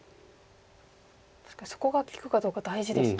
確かにそこが利くかどうか大事ですね。